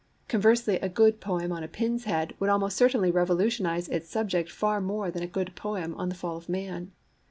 Conversely, a good poem on[Pg 16] a pin's head would almost certainly revolutionize its subject far more than a good poem on the Fall of Man.